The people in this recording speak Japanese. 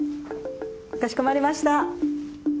かしこまりました。